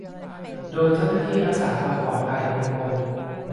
โดยเจ้าหน้าที่รักษาความปลอดภัย หก คน